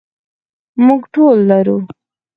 موږ ټول لرو.